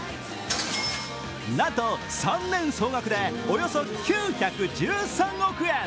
なんと、３年総額でおよそ９１３億円！